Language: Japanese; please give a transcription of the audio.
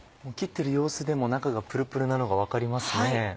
切ってる様子でも中がプルプルなのが分かりますね。